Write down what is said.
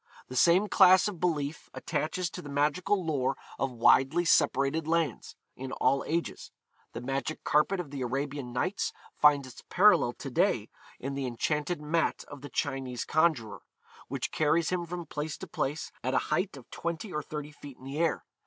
The same class of belief attaches to the magical lore of widely separated lands, in all ages. The magic carpet of the Arabian Nights finds its parallel to day in the enchanted mat of the Chinese conjuror, which carries him from place to place, at a height of twenty or thirty feet in the air.